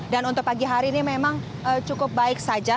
dan untuk pagi hari ini memang cukup baik saja